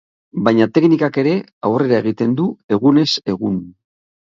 Baina teknikak ere aurrera egiten du egunez egun.